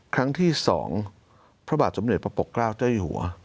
ครั้งที่สองพระบาทสมเนิดพระปกราวเจ้าไอ้หัว